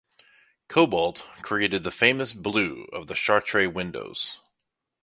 Cobalt created the famous blue of the Chartres windows.